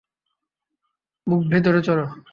ব্যুক, ভেতরে চলো!